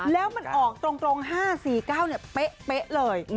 แล้วมันออกตรง๕๔๙เป๊ะเลย